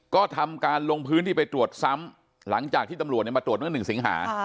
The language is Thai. ก็ทำการลงพื้นที่ไปตรวจซ้ำหลังจากที่ตำรวจมาตรวจเมื่อ๑สิงหา